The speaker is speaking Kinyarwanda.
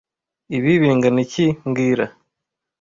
Ibi bingana iki mbwira